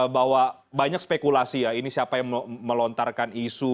bahwa banyak spekulasi ya ini siapa yang melontarkan isu